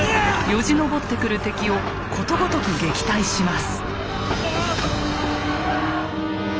よじ登ってくる敵をことごとく撃退します。